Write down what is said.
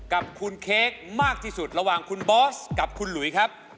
กับคุณเค้กมากที่สุดระหว่างคุณบอสกับคุณหลุยครับ